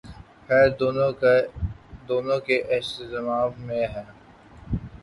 خیر دونوں کے اجتماع میں ہے۔